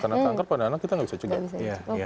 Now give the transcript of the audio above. karena kanker pada anak kita nggak bisa cegat